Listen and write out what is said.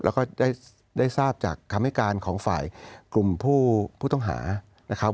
แล้วก็ได้ทราบจากคำให้การของฝ่ายกลุ่มผู้ต้องหานะครับ